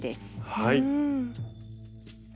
はい。